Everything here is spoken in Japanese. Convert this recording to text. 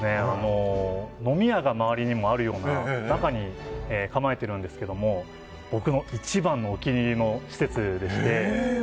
飲み屋が周りにあるような中に構えているんですが僕の一番のお気に入りの施設でして。